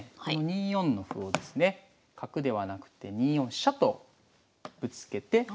この２四の歩をですね角ではなくて２四飛車とぶつけて。